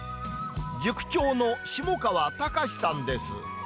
塾長の下川高士さんです。